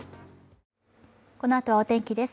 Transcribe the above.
このあとはお天気です。